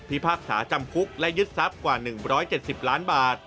พากษาจำคุกและยึดทรัพย์กว่า๑๗๐ล้านบาท